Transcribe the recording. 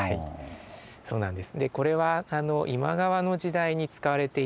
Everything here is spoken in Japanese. そうなんです。